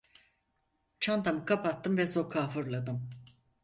Çantamı kapattım ve sokağa fırladım.